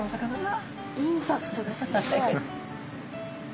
インパクトがすごい。